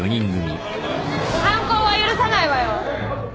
反抗は許さないわよ。